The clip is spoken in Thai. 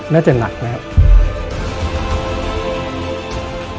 น่าจะหนักนะครับ